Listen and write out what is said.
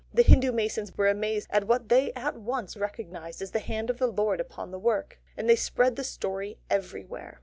The Hindu masons were amazed at what they at once recognised as the hand of the Lord upon the work, and they spread the story everywhere.